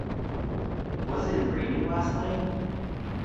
Was it raining last night?